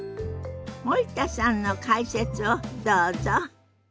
森田さんの解説をどうぞ。